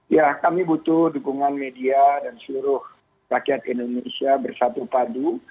ya kami butuh dukungan media dan seluruh rakyat indonesia bersatu padu